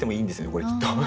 これきっと。